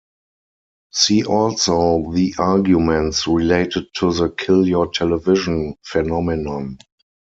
See also the arguments related to the "Kill your television" phenomenon.